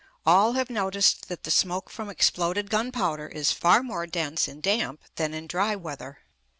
All have noticed that the smoke from exploded gunpowder is far more dense in damp than in dry weather.